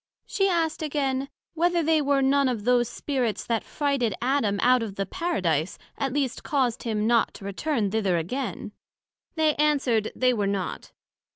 she asked again, Whether they were none of those Spirits that frighted Adam out of the Paradise, at least caused him not to return thither again? They an? swered they were not.